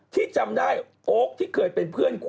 ที่จำได้โอ๊คที่เคยเป็นเพื่อนคุณ